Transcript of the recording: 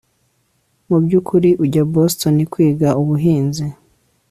Mubyukuri ujya Boston kwiga ubuhanzi